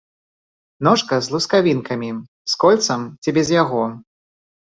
Ножка з лускавінкамі, з кольцам ці без яго.